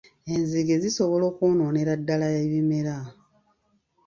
Enzige zisobola okwonoonera ddala ebimera.